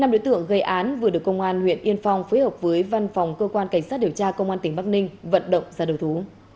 năm đối tượng gây án vừa được công an huyện yên phong phối hợp với văn phòng cơ quan cảnh sát điều tra công an tỉnh bắc ninh vận động ra đầu thú